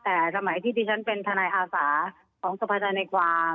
แต่สมัยที่จะเป็นทราบอาสาของสภาษณนรกฐา